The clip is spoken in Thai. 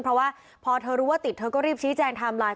เพราะว่าพอเธอรู้ว่าติดเธอก็รีบชี้แจงไทม์ไลน์